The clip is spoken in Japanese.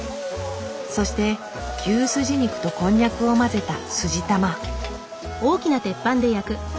そして牛すじ肉とこんにゃくを混ぜたすじ玉。